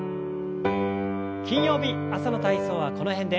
金曜日朝の体操はこの辺で。